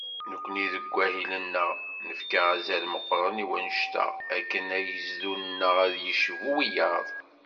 Nekkni deg wahil-nneɣ, nefka azal meqqren i wannect-a, akken agezdu-nneɣ ad yecbu wiyaḍ.